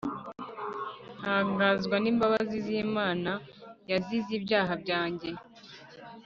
Ntanganzwa n’imbabazi z’imana yazize ibyaha byanjye